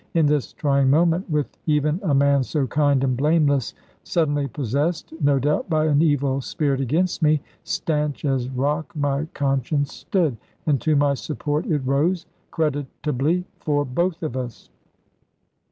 In this trying moment, with even a man so kind and blameless suddenly possessed, no doubt, by an evil spirit against me, stanch as rock my conscience stood, and to my support it rose, creditably for both of us.